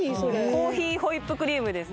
コーヒーホイップクリームです